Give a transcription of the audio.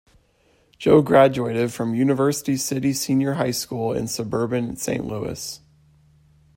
Joe graduated from University City Senior High School in suburban Saint Louis.